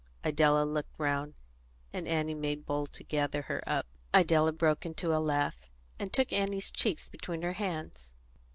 Idella looked round, and Annie made bold to gather her up. Idella broke into a laugh, and took Annie's cheeks between her hands.